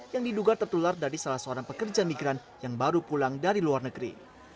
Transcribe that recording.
yang diduga tertular dari salah seorang pekerja migran yang baru pulang dari luar negeri